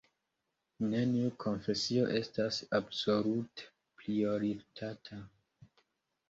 Neniu konfesio estas absolute prioritata.